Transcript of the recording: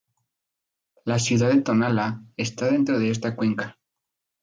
La ciudad de Tonalá, está dentro de esta cuenca.